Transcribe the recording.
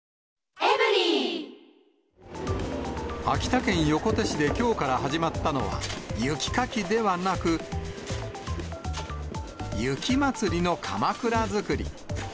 秋田県横手市できょうから始まったのは、雪かきではなく、雪まつりのかまくら作り。